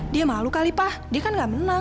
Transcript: dia malu kali pa dia kan gak menang